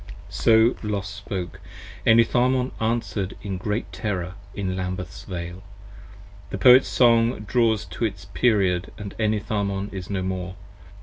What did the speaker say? So Los spoke. Enitharmon answer'd in great terror in Lambeth's Vale The Poet's Song draws to its period & Enitharmon is no more.